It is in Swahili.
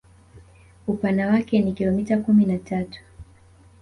Upana wake ni kilomita kumi na tatu